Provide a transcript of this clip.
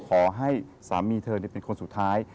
ขอให้สามีเธอเป็นคนสุดท้าย